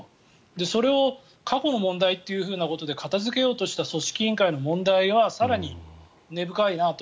それを過去の問題というふうなことで片付けようとした組織委員会の問題は更に根深いなと。